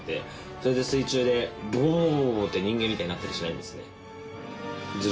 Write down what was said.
それで水中でゴボゴボゴボゴボって人間みたいになったりしないんですね。